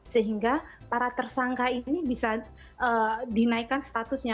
sehingga para tersangka ini bisa dinaikkan statusnya